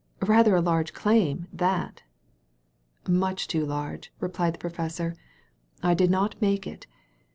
Rather a large claim, that !" "Much too large," replied the professor. "I did not make it.